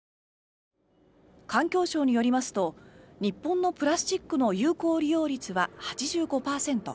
環境省によりますと日本のプラスチックの有効利用率は８５％。